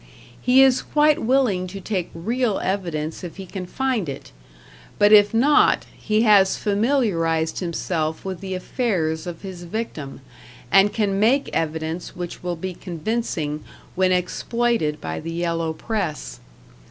He is quite willing to take real evidence if he can find it; but if not, he has familiarized himself with the affairs of his victim, and can make evidence which will be convincing when exploited by the yellow press.